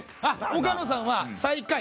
岡野さんは、最下位。